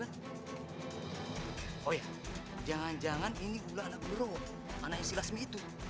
ayo kita ke rumah lasmi